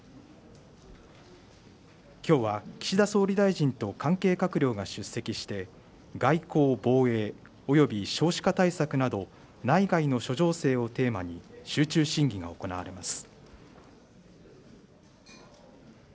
きょうは岸田総理大臣と関係閣僚が出席して、外交・防衛および少子化対策など、内外の諸情勢をテーマに集中審議が行われます。